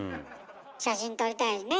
写真撮りたいねえ。